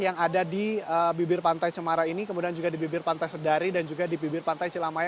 yang ada di bibir pantai cemara ini kemudian juga di bibir pantai sedari dan juga di bibir pantai cilamaya